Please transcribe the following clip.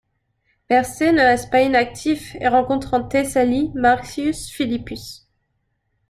Persée ne reste pas inactif et rencontre en Thessalie Marcius Philippus.